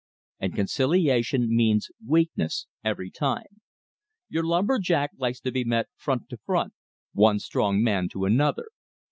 And conciliation means weakness every time. Your lumber jack likes to be met front to front, one strong man to another.